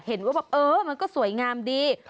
เห็นว่ามันก็สวยงามดี